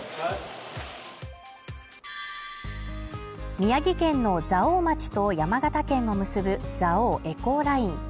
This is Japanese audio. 宮城県の蔵王町と山形県を結ぶ蔵王エコーライン